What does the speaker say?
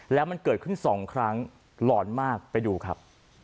แล้วมันเกิดขึ้น๒ครั้งหลอนมากไปดูครับ